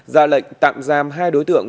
ra lệnh tạm giam hai đối tượng